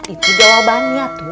itu jawabannya tuh